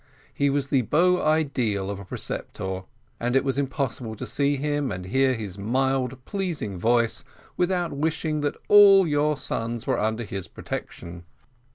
He was the beau ideal of a preceptor, and it was impossible to see him and hear his mild pleasing voice, without wishing that all your sons were under his protection.